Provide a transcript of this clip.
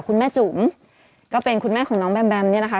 คุณแม่จุ๋มก็เป็นคุณแม่ของน้องแบมแบมเนี่ยนะคะ